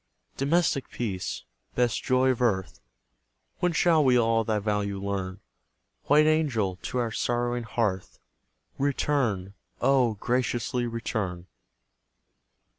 Domestic peace! best joy of earth, When shall we all thy value learn? White angel, to our sorrowing hearth, Return oh, graciously return!